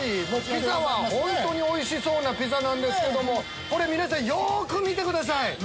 本当においしそうなピザなんですけども皆さんよく見てください。